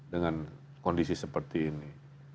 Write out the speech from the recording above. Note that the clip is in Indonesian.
dengan kondisi seperti ini